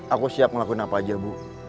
aku siap ngelakuin apa aja bu